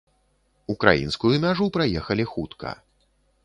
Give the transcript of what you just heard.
Украінскую мяжу праехалі хутка.